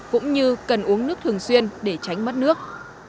cũng như cần uống nước thường xuyên để tránh mất nước